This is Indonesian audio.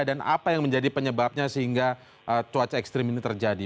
dan apa yang menjadi penyebabnya sehingga cuaca ekstrim ini terjadi